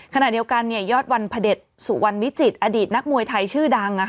ขณะเดียวกันยอดวันพระเด็จสุวรรณวิจิตรอดีตนักมวยไทยชื่อดัง